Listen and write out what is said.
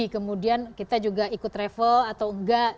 kemudian kita juga ikut travel atau enggak